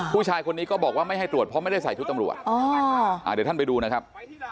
ผู้ชายคนนี้ก็บอกว่าไม่ให้ตรวจเพราะไม่ได้ใส่ชุดตำรวจเดี๋ยวท่านไปดูนะครับ